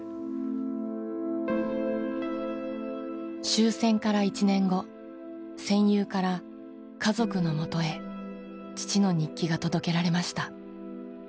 終戦から１年後戦友から家族の元へ父の日記が届けられました。